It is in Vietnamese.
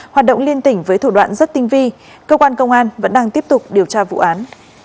hoạt động liên tỉnh với thủ đoạn rất tinh vi cơ quan công an vẫn đang tiếp tục điều tra vụ án